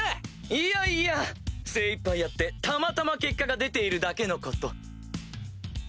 いやいや精いっぱいやってたまたま結果が出ているだけのこと。